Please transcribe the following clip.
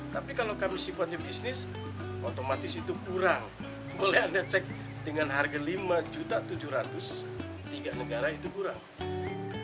tapi kalau kami sifatnya bisnis otomatis itu kurang boleh anda cek dengan harga lima tujuh ratus tiga negara itu kurang